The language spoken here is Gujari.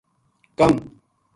کم